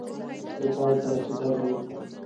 زه پای ته رسېدلی یم